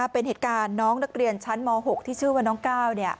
เป็นเหตุการณ์น้องนักเรียนชั้นม๖ที่ชื่อว่าน้องก้าว